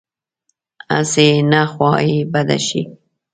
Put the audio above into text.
هسې نه خوا یې بده شي.